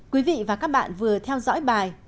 quý vị và các bạn vừa theo dõi bài